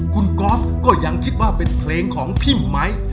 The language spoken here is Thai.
คุณก๊อฟก็ยังคิดว่าเป็นเพลงของพี่ไม้